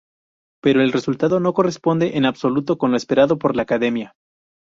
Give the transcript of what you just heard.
Pero el resultado no corresponde en absoluto con lo esperado por la Academia.